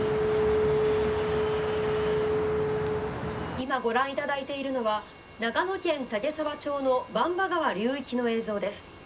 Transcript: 「今ご覧いただいているのは長野県岳沢町の番場川流域の映像です。